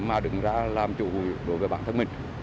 mà đứng ra làm trụ hụi đối với bản thân mình